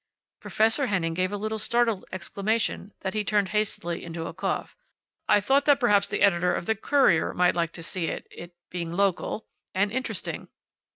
Professor Henning gave a little startled exclamation that he turned hastily into a cough. "I thought that perhaps the editor of the Courier might like to see it it being local. And interesting."